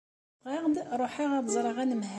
Ffɣeɣ-d ruḥeɣ ad d-ẓreɣ anemhal.